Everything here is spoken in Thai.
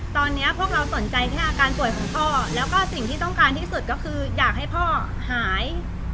ตอนนี้พวกเราสนใจแค่อาการป่วยของพ่อแล้วก็สิ่งที่ต้องการที่สุดก็คืออยากให้พ่อหาย